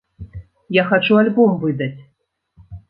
Я хачу альбом выдаць.